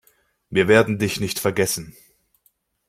Wir werden Dich nicht vergessen.